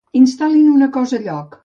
Instal·lin una cosa a lloc.